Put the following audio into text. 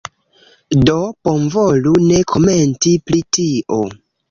do bonvolu ne komenti pri tio.